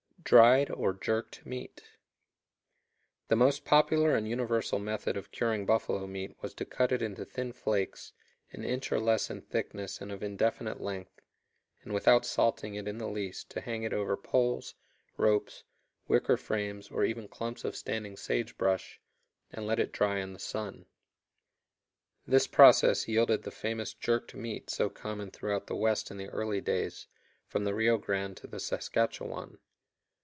Dried, or "jerked" meat. The most popular and universal method of curing buffalo meat was to cut it into thin flakes, an inch or less in thickness and of indefinite length, and without salting it in the least to hang it over poles, ropes, wicker frames, or even clumps of standing sage brush, and let it dry in the sun. This process yielded the famous "jerked" meat so common throughout the West in the early days, from the Rio Grande to the Saskatchewan.